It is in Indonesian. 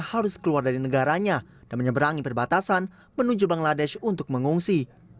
harus keluar dari negaranya dan menyeberangi perbatasan menuju bangladesh untuk mengungsi